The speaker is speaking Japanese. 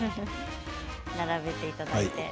並べていただいて。